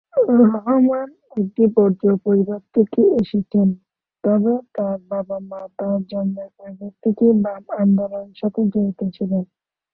রহমান একটি "বুর্জোয়া" পরিবার থেকে এসেছেন, তবে তার বাবা-মা তার জন্মের আগে থেকেই বাম আন্দোলনের সাথে জড়িত ছিলেন।